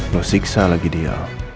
lo siksa lagi dia